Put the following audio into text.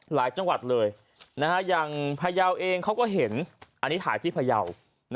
หลายจังหวัดเลยอย่างพยาวเองเขาก็เห็นอันนี้ถ่ายที่พยาว